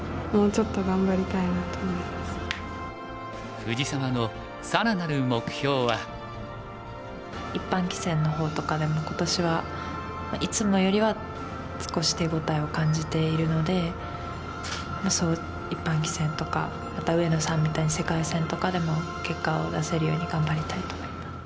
藤沢の一般棋戦の方とかでも今年はいつもよりは少し手応えを感じているのでまあ一般棋戦とかまた上野さんみたいに世界戦とかでも結果を出せるように頑張りたいと思います。